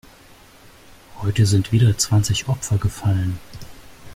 Heute sind wieder zwanzig Opfer gefallen.